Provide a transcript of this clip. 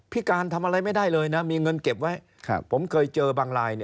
พี่การทำอะไรไม่ได้เลยนะ